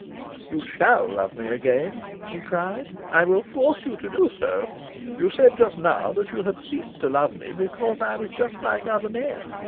"You SHALL love me again," he cried. "I will force you to. You said just now that you had ceased to love me because I was just like other men.